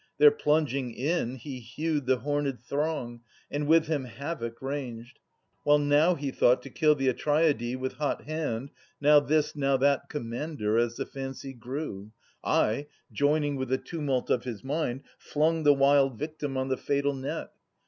There plunging in he hewed the horned throng. And with him Havoc ranged : while now he thought To kill the Atreidae with hot hand, now this Now that commander, as the fancy grew. I, joining with the tumult of his mind. Flung the wild victim on the fatal net.